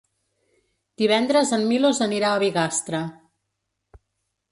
Divendres en Milos anirà a Bigastre.